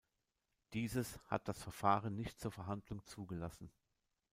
Dieses hat das Verfahren nicht zur Verhandlung zugelassen.